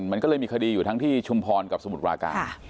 มันก็เลยมีคดีอยู่ทั้งที่ชุมพรกับสมุทรปราการ